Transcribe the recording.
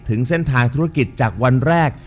ถึงเส้นทางธุรกิจจากวันแรก